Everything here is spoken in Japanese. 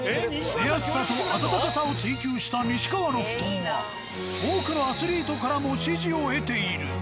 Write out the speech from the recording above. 寝やすさとあたたかさを追求した「西川」の布団は多くのアスリートからも支持を得ている。